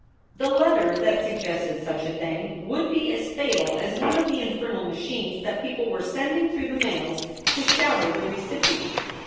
The letter that suggested such a thing would be as fatal as one of the infernal machines that people were sending through the mails to shatter the recipient.